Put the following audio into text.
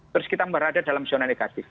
terus kita berada dalam zona negatif